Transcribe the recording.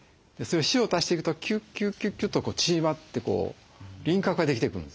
塩を足していくとキュキュキュキュと縮まって輪郭ができてくるんです。